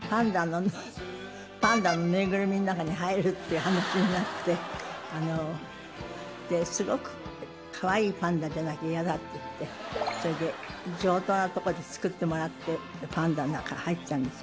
パンダの縫いぐるみの中に入るって話になって、すごくかわいいパンダじゃなきゃ嫌だって言って、それで上等なところで作ってもらって、パンダの中に入ったんです。